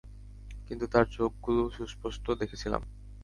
কিন্ত তার চোখগুলো সুস্পষ্ট দেখেছিলাম।